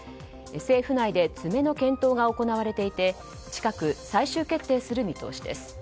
政府内で詰めの検討が行われていて近く最終決定する見通しです。